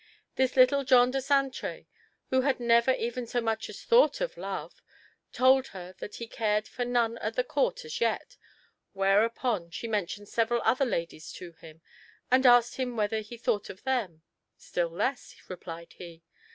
This little John de Saintre, who had never even so much as thought of love, told her that he cared for none at the Court as yet, whereupon she mentioned several other ladies to him, and asked him whether he thought of them. 'Still less,' replied he....